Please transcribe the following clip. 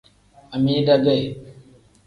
Amida ge.